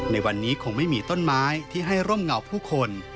ในวันนี้คงไม่มีต้นไม้ที่ให้ร่มเงาผู้คน